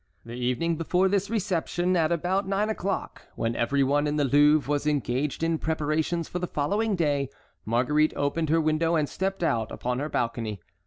The evening before this reception, at about nine o'clock, when every one in the Louvre was engaged in preparations for the following day, Marguerite opened her window and stepped out upon her balcony.